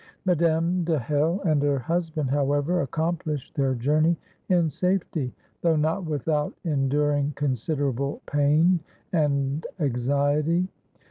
Madame de Hell and her husband, however, accomplished their journey in safety, though not without enduring considerable pain and anxiety.